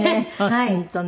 本当ね。